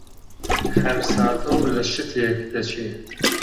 هەر ساتە و لە شتێک دەچێ: